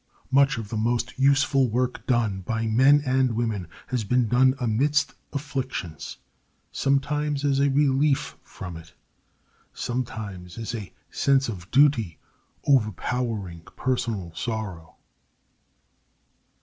Much of the most useful work done by men and women has been done amidst afflictions—sometimes as a relief from it, sometimes as a sense of duty overpowering personal sorrow.